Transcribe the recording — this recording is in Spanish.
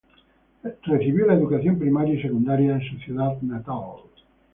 Él recibió la educación primaria y secundaria en su ciudad natal.